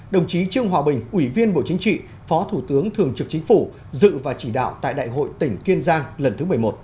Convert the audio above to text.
đồng chí trương hòa bình ủy viên bộ chính trị phó thủ tướng thường trực chính phủ dự và chỉ đạo tại đại hội tỉnh kiên giang lần thứ một mươi một